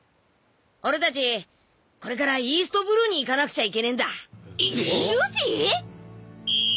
俺たちこれからイーストブルーに行かなくちゃいけねえんだルフィ！？